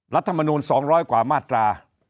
รัฐมนูล๒๐๐กว่ามาตรา